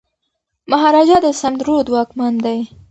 مهاراجا د سند رود واکمن دی.